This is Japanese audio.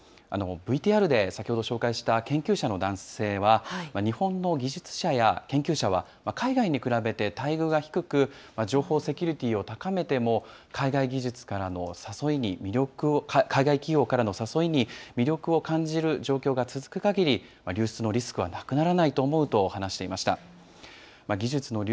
ＶＴＲで先ほど紹介した研究者の男性は、日本の技術者や研究者は、海外に比べて待遇が低く、情報セキュリティを高めても、海外企業からの誘いに魅力を感じる状況が続くかぎり、流出のリスクはなくならないと思うと話していました。